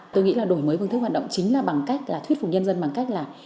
tôi nghĩ là đổi mới phương thức hoạt động chính là bằng cách là thuyết phục nhân dân bằng cách là